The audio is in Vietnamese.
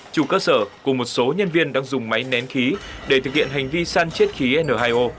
chủ cơ sở cùng một số nhân viên đang dùng máy nén khí để thực hiện hành vi săn chiết khí n hai o